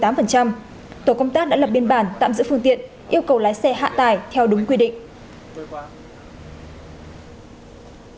tổ công tác đã lập biên bản tạm giữ phương tiện yêu cầu lái xe hạ tải theo đúng quy định